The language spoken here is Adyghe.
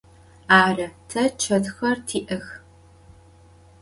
Arı, te çetxer ti'ex.